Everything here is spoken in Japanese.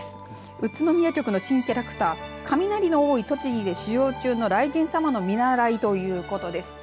宇都宮局の新キャラクター雷の多い雷様の見習いということです。